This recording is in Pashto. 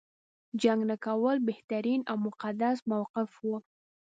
جنګ نه کول بهترین او مقدس موقف و.